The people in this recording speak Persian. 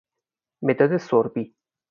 مداد سربی